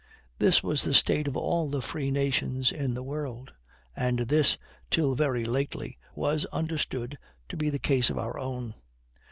This was the state of all the free nations in the world; and this, till very lately, was understood to be the case of our own.